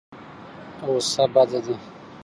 غوسه بده ده.